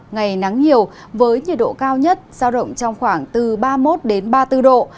ngày nắng nhiều với nhiệt độ cao nhất giao động trong khoảng từ ba mươi một ba mươi bốn độ